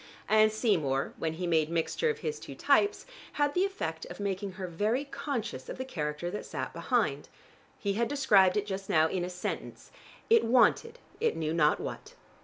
And Seymour, when he made mixture of his two types, had the effect of making her very conscious of the character that sat behind. He had described it just now in a sentence: it wanted it knew not what.